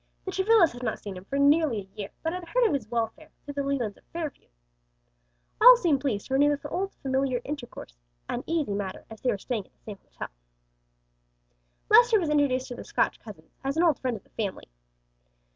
The Travillas had not seen him for nearly a year, but had heard of his welfare through the Lelands of Fairview. All seemed pleased to renew the old familiar intercourse; an easy matter, as they were staying at the same hotel. Lester was introduced to the Scotch cousins, as an old friend of the family.